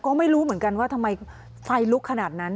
ก็ไม่รู้เหมือนกันว่าทำไมไฟลุกขนาดนั้น